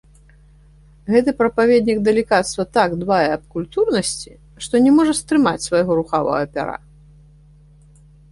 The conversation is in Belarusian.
Гэты прапаведнік далікацтва так дбае аб культурнасці, што не можа стрымаць свайго рухавага пяра.